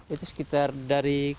itu sekitar dari kali sebelah sana